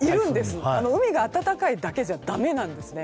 海が暖かいだけじゃだめなんですね。